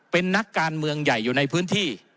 เป็นนักการเมืองใหญ่อยู่ในพื้นที่